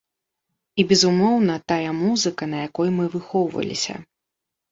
І, безумоўна, тая музыка, на якой мы выхоўваліся.